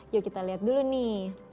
yuk kita lihat dulu nih